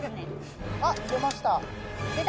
「あっ出ました」